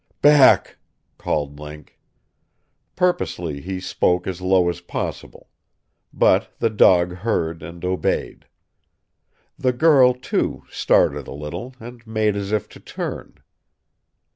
"Back!" called Link. Purposely he spoke as low as possible. But the dog heard and obeyed. The girl, too, started a little, and made as if to turn.